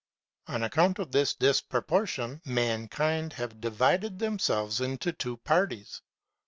On account of this disproportion, mankind have divided themselves into two parties.